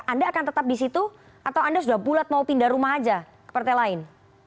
anda akan tetap di situ atau anda sudah bulat mau pindah rumah aja ke partai lain